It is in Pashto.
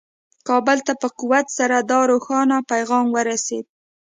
کابل ته په قوت سره دا روښانه پیغام ورسېد.